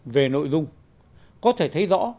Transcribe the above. về nội dung có thể thấy rõ